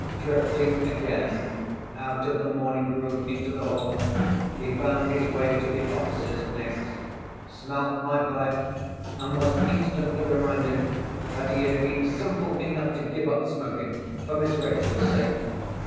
Drifting again, out of the morning room into the hall, he found his way to the offices next, smelt my pipe, and was instantly reminded that he had been simple enough to give up smoking for Miss Rachel's sake.